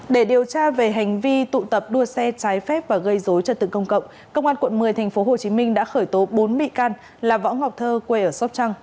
để điều tra về hành vi tụ tập đua xe trái phép và gây dối trật tự công cộng công an quận một mươi tp hcm đã khởi tố bốn bị can là võ ngọc thơ quê ở sóc trăng